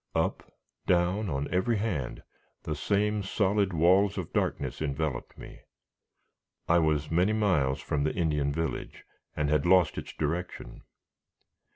Up, down, on every hand, the same solid walls of darkness enveloped me. I was many miles from the Indian village, and had lost its direction.